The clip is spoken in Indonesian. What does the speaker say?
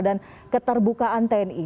dan keterbukaan tni